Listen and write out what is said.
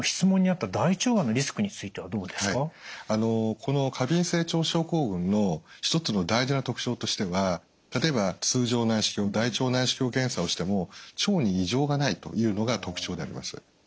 この過敏性腸症候群の一つの大事な特徴としては例えば通常内視鏡大腸内視鏡検査をしても腸に異常がないというのが特徴であります。